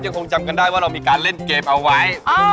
คงจำกันได้ว่าเรามีการเล่นเกมเอาไว้